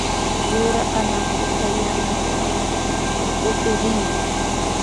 Yura anakuka yana anaku ukupi rin